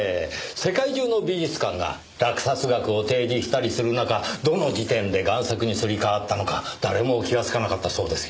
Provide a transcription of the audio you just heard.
世界中の美術館が落札額を提示したりする中どの時点で贋作にすり替わったのか誰も気がつかなかったそうですよ。